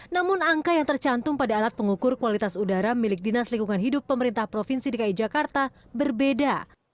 namun angka yang tercantum pada alat pengukur kualitas udara milik dinas lingkungan hidup pemerintah provinsi dki jakarta berbeda